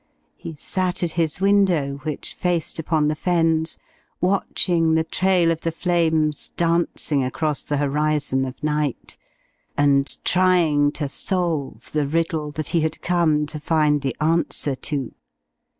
He sat at his window, which faced upon the Fens, watching the trail of the flames dancing across the horizon of night, and trying to solve the riddle that he had come to find the answer to.